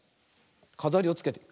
かざりをつけてみる。